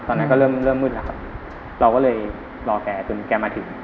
ตอนนั้นก็เริ่มเริ่มมืดแล้วครับเราก็เลยรอแกจนแกมาถึง